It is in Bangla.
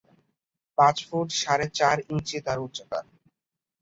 পাঁচ ফুট সাড়ে চার ইঞ্চি তার উচ্চতা।